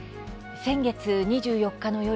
先月２４日の夜